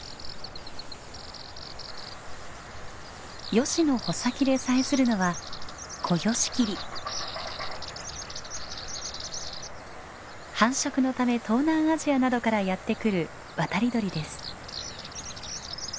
ヨシの穂先でさえずるのは繁殖のため東南アジアなどからやって来る渡り鳥です。